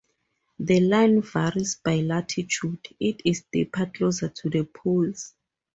The line varies by latitude, it is deeper closer to the poles.